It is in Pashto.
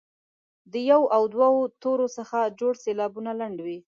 له یو او دوو تورو څخه جوړ سېلابونه لنډ وي.